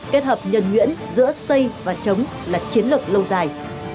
kết hợp nhận nguyễn giữa xây và chống là chiến lược lâu dài